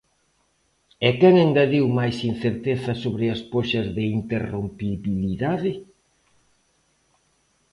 ¿E quen engadiu máis incerteza sobre as poxas de interrompibilidade?